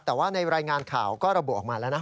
แต่ว่าในรายงานข่าวก็ระบุออกมาแล้วนะ